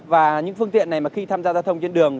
và những phương tiện này mà khi tham gia giao thông trên đường